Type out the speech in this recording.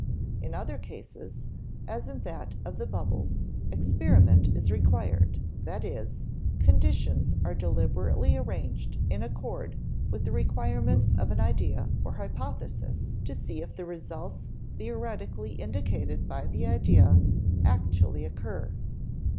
In other cases, as in that of the bubbles, experiment is required; that is, _conditions are deliberately arranged in accord with the requirements of an idea or hypothesis to see if the results theoretically indicated by the idea actually occur_.